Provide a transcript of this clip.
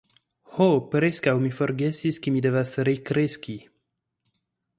Ho, preskaŭ mi forgesis ke mi devas rekreski!